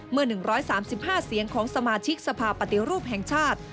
เมื่อ๑๓๕เสียงของสมาชิกสภาพปฏิรูปแห่งชาติ